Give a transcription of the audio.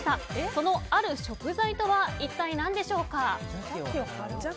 そのある食材とは一体、何でしょうか？